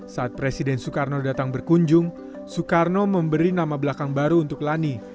saat presiden soekarno datang berkunjung soekarno memberi nama belakang baru untuk lani